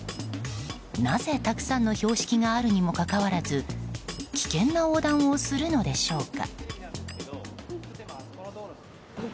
なぜ、たくさんの標識があるにもかかわらず危険な横断をするのでしょうか。